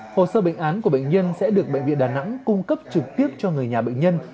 hồ sơ bệnh án của bệnh nhân sẽ được bệnh viện đà nẵng cung cấp trực tiếp cho người nhà bệnh nhân